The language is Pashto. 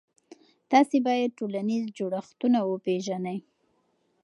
تاسې باید ټولنیز جوړښتونه وپېژنئ.